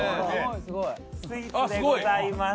スイーツでございます。